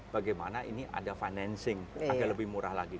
bagaimana ini ada financing agak lebih murah lagi